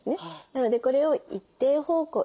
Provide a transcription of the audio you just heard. なのでこれを一定方向